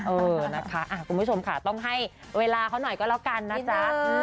เออนะคะคุณผู้ชมค่ะต้องให้เวลาเขาหน่อยก็แล้วกันนะจ๊ะ